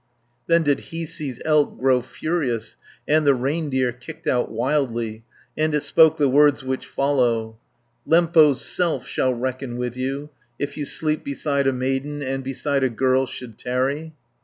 230 Then did Hiisi's elk grow furious, And the reindeer kicked out wildly, And it spoke the words which follow: "Lempo's self shall reckon with you, If you sleep beside a maiden, And beside a girl should tarry."